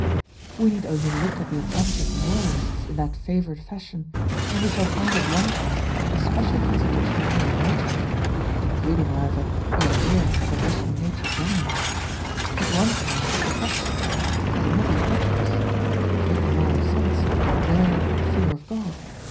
We need only look at the attempts of moralists in that favourite fashion, and we shall find at one time the special constitution of human nature (including, however, the idea of a rational nature generally), at one time perfection, at another happiness, here moral sense, there fear of God.